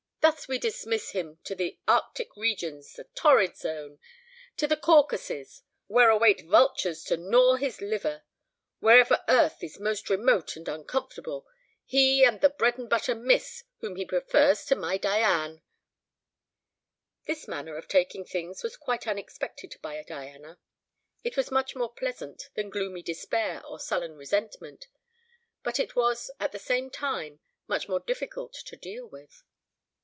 "Thus we dismiss him to the Arctic regions, the torrid zone to the Caucasus, where await vultures to gnaw his liver wherever earth is most remote and uncomfortable he and the bread and butter miss whom he prefers to my Diane!" This manner of taking things was quite unexpected by Diana. It was much more pleasant than gloomy despair or sullen resentment; but it was, at the same time, much more difficult to deal with.